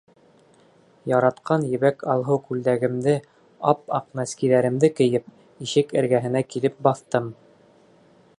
Яратҡан ебәк алһыу күлдәгемде, ап-аҡ нәскиҙәремде кейеп, ишек эргәһенә килеп баҫтым.